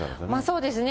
そうですね。